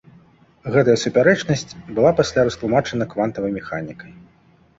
Гэтая супярэчнасць была пасля растлумачана квантавай механікай.